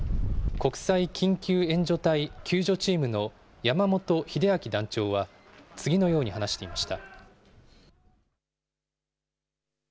国際緊急援助隊救助チームの山本英昭団長は、次のように話していました。